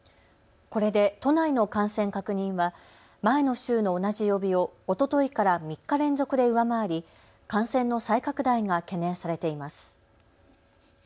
これで都内の感染確認は前の週の同じ曜日をおとといから３日連続で上回り感染の再拡大が懸念されています。